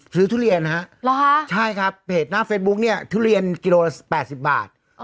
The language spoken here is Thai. ทุเรียนฮะใช่ครับเพจหน้าเฟซบุ๊กเนี่ยทุเรียนกิโลละ๘๐บาท